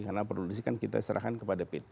karena produksi kan kita serahkan kepada pt